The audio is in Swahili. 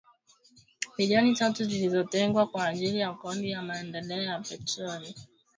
milioni tatu zilizotengwa kwa ajili ya Kodi ya Maendeleo ya petroli ili kuimarisha bei na kumaliza mgogoro huo